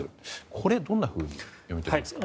これ、どんなふうに読み解いていますか？